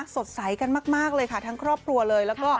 สดใสกันมากเลยค่ะทั้งครอบครัวเลยแล้วก็